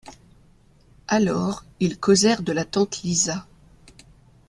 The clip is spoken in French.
Alors, ils causèrent de la tante Lisa.